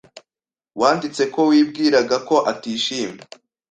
Wanditse ko wibwiraga ko atishimye.